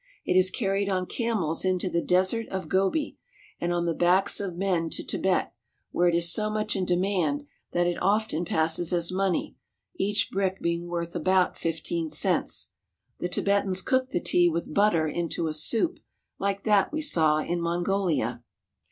It is carried on camels into the Desert of Gobi, and on the backs of men to Tibet, where it is so much in demand that it often passes as money, each brick being worth about fifteen cents. The Tibetans cook the tea with butter into a soup like that we saw in Mongolia.